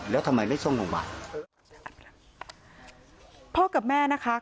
แล้วทำไมไม่ส่งโรงพยาบาลพ่อกับแม่นะคะ